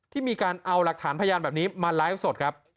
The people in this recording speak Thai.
ที่มีการเอาหลักฐานพยานแบบนี้มาไลฟ์สดครับ